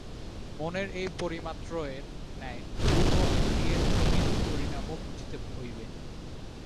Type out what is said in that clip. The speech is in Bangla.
মনের এই পরিণামত্রয়ের ন্যায় ভূত ও ইন্দ্রিয়ের ত্রিবিধ পরিণামও বুঝিতে হইবে।